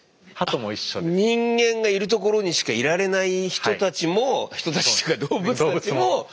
人間がいるところにしかいられない人たちも人たちっていうか動物たちも家畜。